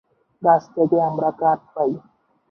গাছ থেকে আমরা কাঠ পাই।